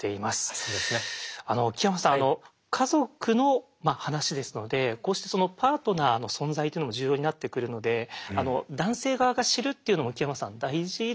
家族の話ですのでこうしてそのパートナーの存在というのも重要になってくるので男性側が知るっていうのも木山さん大事ですよね。